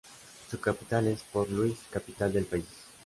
Su capital es Port Louis, capital del país.